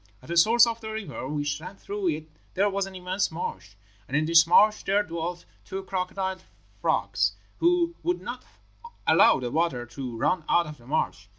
At the source of the river which ran through it there was an immense marsh, and in this marsh there dwelt two crocodile frogs, who would not allow the water to run out of the marsh.